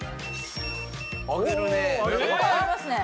上げるね。